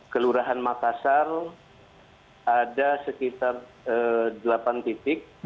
kelurahan makassar ada sekitar delapan titik